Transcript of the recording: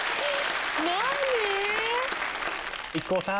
ＩＫＫＯさん